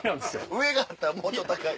上があったらもうちょっと高い。